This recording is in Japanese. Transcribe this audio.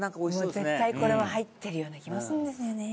絶対これは入ってるような気もするんですよね。